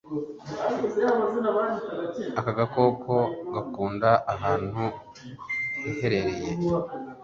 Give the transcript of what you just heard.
Aka gakoko gakunda ahantu hahehereye